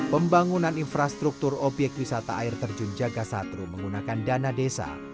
pembangunan infrastruktur obyek wisata air terjun jaga satru menggunakan dana desa